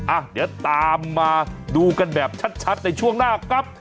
อ่ะเดี๋ยวตามมาดูกันแบบชัดในช่วงหน้ากับ